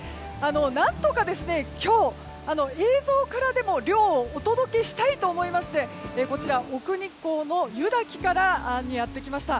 何とか今日映像からでも涼をお届けしたいと思いましてこちら、奥日光の湯滝にやってきました。